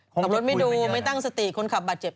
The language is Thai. ขับรถไม่ดูไม่ตั้งสติคนขับบาดเจ็บ